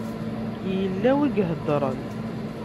Yella win i iheddṛen.